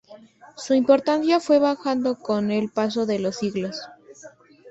Su importancia fue bajando con el paso de los siglos.